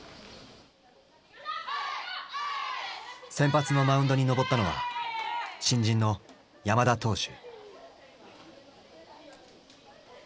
先発のマウンドに登ったのは新人の山田投手。